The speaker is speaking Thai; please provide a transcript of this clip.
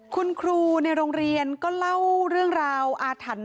คุณครูในโรงเรียนก็เล่าเรื่องราวอาถรรพ์